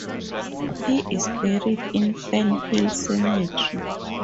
He is buried in Fernhill Cemetery.